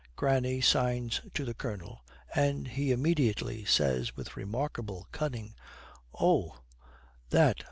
Granny signs to the Colonel and he immediately says, with remarkable cunning, 'Oh that!